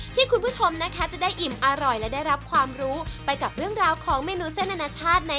ก็คือเราจะมีเครื่องของเราไง